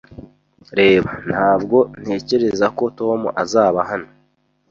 Reba, Ntabwo ntekereza ko Tom azaba hano.